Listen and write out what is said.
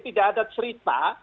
tidak ada cerita